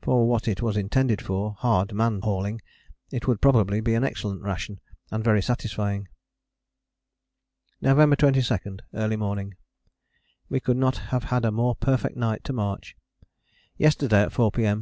For what it was intended for, hard man hauling, it would probably be an excellent ration, and very satisfying. November 22. Early morning. We could not have had a more perfect night to march. Yesterday at 4 P.M.